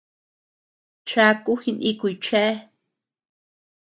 Cháku jinikuy chéa.